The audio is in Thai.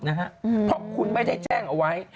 เพราะคุณไม่ได้แจ้งเอาไว้